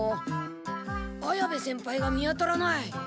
綾部先輩が見当たらない。